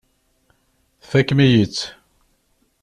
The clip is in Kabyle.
Tfakem-iyi-tt.